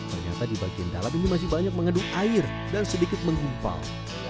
ternyata di bagian dalam ini masih banyak mengandung air dan sedikit menggumpal